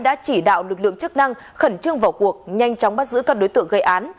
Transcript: đã chỉ đạo lực lượng chức năng khẩn trương vào cuộc nhanh chóng bắt giữ các đối tượng gây án